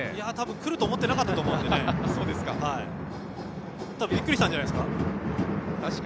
来ると思ってなかったと思いますから多分、びっくりしたんじゃないですか。